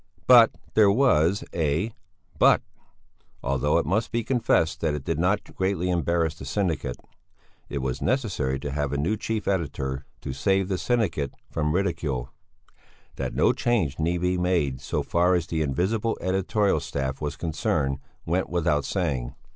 But there was a but, although it must be confessed that it did not greatly embarrass the syndicate; it was necessary to have a new chief editor to save the syndicate from ridicule; that no change need be made so far as the invisible editorial staff was concerned, went without saying.